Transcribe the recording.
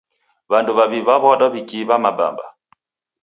W'andu w'aw'i w'aw'adwa w'ikiiwa mabamba.